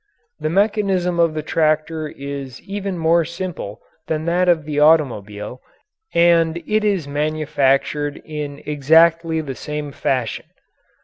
The mechanism of the tractor is even more simple than that of the automobile and it is manufactured in exactly the same fashion.